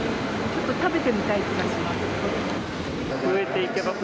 ちょっと食べてみたい気はします。